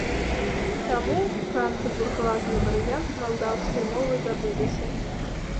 Таму пра антыбуржуазны варыянт малдаўскай мовы забыліся.